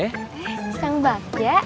eh kang bagja